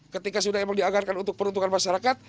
ketika sudah memang dianggarkan untuk peruntukan masyarakat